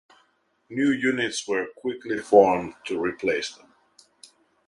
New units were quickly formed to replace them.